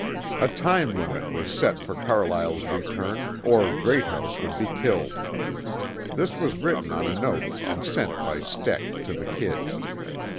A time limit was set for Carlyle's return, or Greathouse would be killed. This was written on a note and sent by Steck to the "Kid."